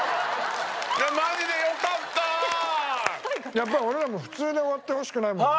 やっぱり俺らも普通で終わってほしくないもんね。